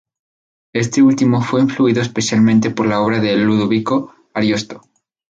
Este último fue influido especialmente por la obra de Ludovico Ariosto.